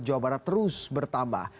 jawa barat terus bertambah